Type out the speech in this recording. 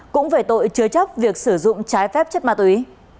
cũng về tội chứa chấp việc sử dụng trái phép chất ma túy